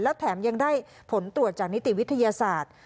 แล้วแถมยังได้ผลตรวจจากนิติวิทยาศาสตร์